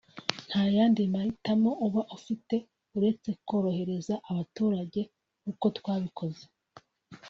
nta yandi mahitamo uba ufite uretse korohereza abaturage nk’uko twabikoze